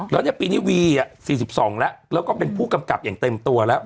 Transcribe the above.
แล้วเนี่ยปีนี้วี๔๒แล้วแล้วก็เป็นผู้กำกับอย่างเต็มตัวแล้ว